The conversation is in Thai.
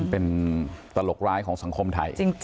เป็นตลกร้ายของสังคมไทย